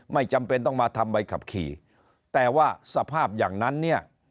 ไม่จำเป็นต้องมาทำใบขับขี่แต่ว่าสภาพอย่างนั้นเนี่ย